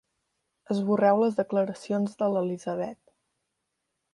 Esborreu les declaracions de l'Elisabet.